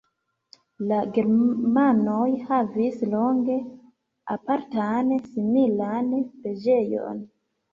La germanoj havis longe apartan similan preĝejon.